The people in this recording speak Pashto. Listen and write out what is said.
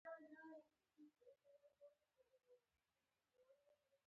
د ولایت مقام د ولایت مرکز دی